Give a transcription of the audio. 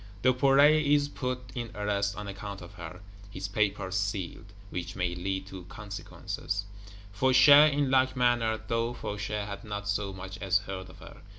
Duperret is put in arrest, on account of her; his Papers sealed, which may lead to consequences. Fauchet, in like manner; though Fauchet had not so much as heard of her.